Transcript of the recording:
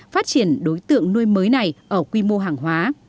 phát triển đối tượng nuôi mới này ở quy mô hàng hóa